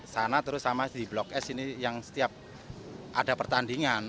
sana terus sama di blok s ini yang setiap ada pertandingan